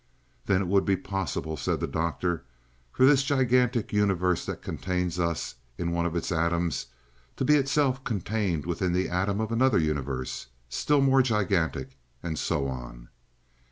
"Then it would be possible," said the Doctor, "for this gigantic universe that contains us in one of its atoms, to be itself contained within the atom of another universe, still more gigantic, and so on."